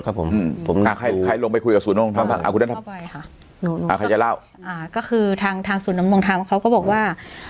ก็คือทางสูตรแหน่มร่วมทำเขาก็บอกว่า